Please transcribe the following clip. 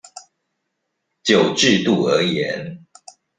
就制度而言